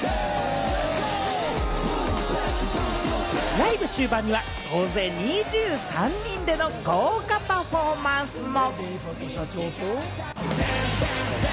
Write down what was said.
ライブ終盤には総勢２３人での豪華パフォーマンスも。